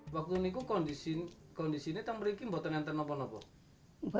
waktu itu kondisinya seperti apa